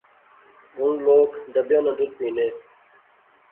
ہُن لوک ڈبیاں نا دُد پینے